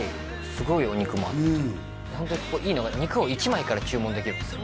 すごいお肉もあってホントにここいいのが肉を１枚から注文できるんですよ